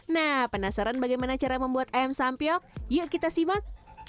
nah penasaran bagaimana cara membuat ayam sampiok yuk kita simak